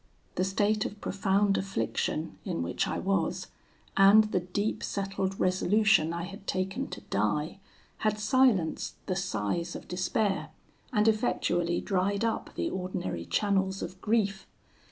The state of profound affliction in which I was, and the deep settled resolution I had taken to die, had silenced the sighs of despair, and effectually dried up the ordinary channels of grief.